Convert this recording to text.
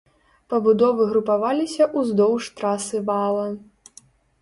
Пабудовы групаваліся ўздоўж трасы вала.